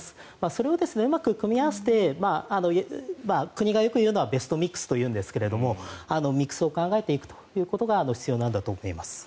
それをうまく組み合わせて国がよく言うのはベストミックスというんですがミックスを考えていくことが必要なんだと思います。